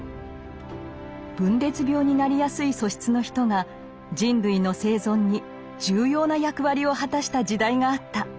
分裂病になりやすい素質の人が人類の生存に重要な役割を果たした時代があった。